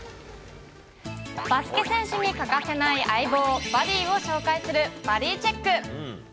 バスケ選手に欠かせない相棒、バディを紹介するバディチェック。